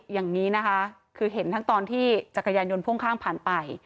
อย่างนี้นะคะคือเห็นทั้งตอนที่จักรยานยนต์พ่วงข้างผ่านไป